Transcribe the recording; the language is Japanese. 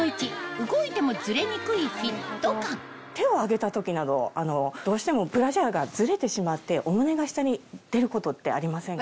手を上げた時などどうしてもブラジャーがずれてしまってお胸が下に出ることってありませんか？